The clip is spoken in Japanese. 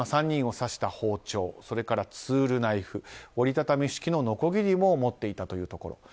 ３人を刺した包丁それから、ツールナイフ折り畳み式ののこぎりも持っていたというところ。